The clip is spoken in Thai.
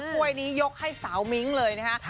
ถ้วยนี้ยกให้สาวมิ้งเลยนะฮะ